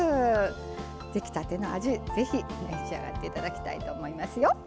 出来たての味是非召し上がって頂きたいと思いますよ。